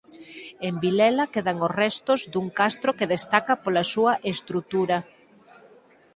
En Vilela quedan os restos dun castro que destaca pola súa estrutura.